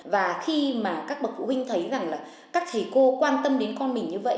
và khi mà các bậc phụ huynh thấy rằng là các thầy cô quan tâm đến con mình như vậy